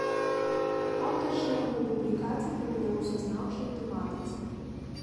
Аўтар шэрагу публікацый па беларусазнаўчай тэматыцы.